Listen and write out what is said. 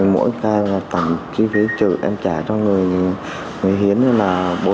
mỗi ca là tổng chi phí trừ em trả cho người hiến là bốn trăm linh